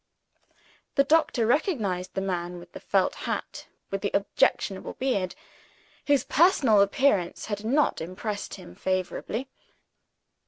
The doctor recognized the man, with the felt hat and the objectionable beard, whose personal appearance had not impressed him favorably.